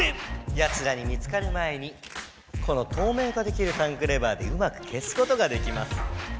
やつらに見つかる前にこのとうめいかできるタンクレバーでうまくけすことができます。